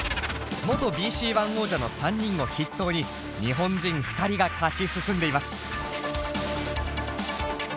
元ＢＣＯｎｅ王者の３人を筆頭に日本人２人が勝ち進んでいます。